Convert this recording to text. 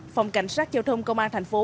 phòng cảnh sát giao thông công an thành phố